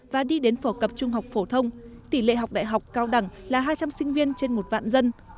và đi đến phổ cập trung học phổ thông tỷ lệ học đại học cao đẳng là hai trăm linh sinh viên trên một vạn dân